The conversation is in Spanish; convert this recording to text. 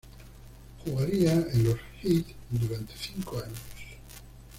Jugaría en los Heat durante cinco años.